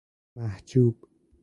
محجوب